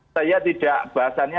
saya tidak bahasannya